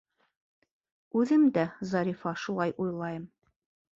— Үҙем дә, Зарифа, шулай уйлайым.